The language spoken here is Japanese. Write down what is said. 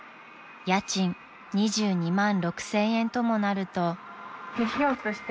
［家賃２２万６，０００円ともなると］